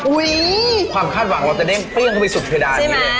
อุ้ยความคาดหวังว่าจะได้เปรี้ยงเข้าไปสุดเฉยดายเลย